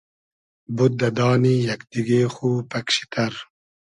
بود دۂ دانی یئگ دیگې خو پئگ شی تئر